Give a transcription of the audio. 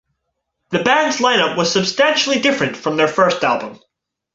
The band's line-up was substantially different from their first album.